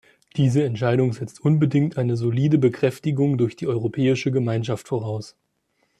Diese Entscheidung setzt unbedingt eine solide Bekräftigung durch die Europäische Gemeinschaft voraus.